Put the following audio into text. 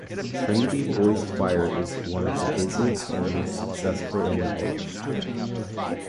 Trinity Boys Choir is one of the busiest and most successful in the world.